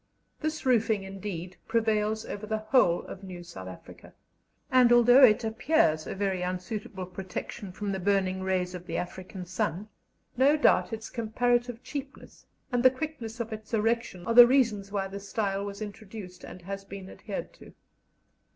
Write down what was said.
This roofing, indeed, prevails over the whole of new South Africa; and although it appears a very unsuitable protection from the burning rays of the African sun, no doubt its comparative cheapness and the quickness of its erection are the reasons why this style was introduced, and has been adhered to.